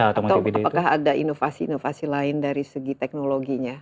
atau apakah ada inovasi inovasi lain dari segi teknologinya